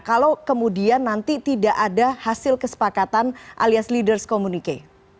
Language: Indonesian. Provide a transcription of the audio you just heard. kalau kemudian nanti tidak ada hasil kesepakatan alias leaders communique